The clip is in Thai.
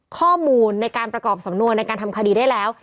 ข้อมูลในการประกอบสำนวนในการทำคดีได้แล้ว